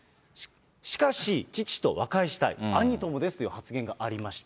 しかし、父と和解したい、兄ともですという発言がありました。